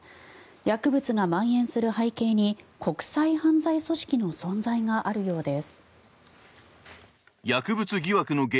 薬物がまん延する背景に国際犯罪組織の存在があるようです。